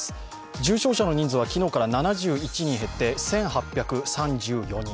重症者の人数は昨日から７１人減って１８３４人。